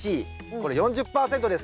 これ４０％です。